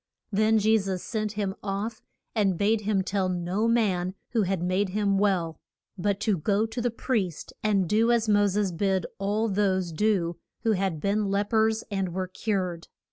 Then Je sus sent him off, and bade him tell no man who had made him well, but to go to the priest and do as Mo ses bid all those do who had been lep ers and were cured.